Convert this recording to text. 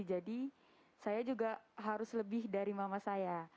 jadi saya juga harus lebih dari mama saya